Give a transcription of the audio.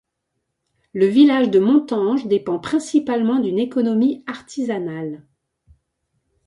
Le village de Montanges dépend principalement d'une économie artisanale.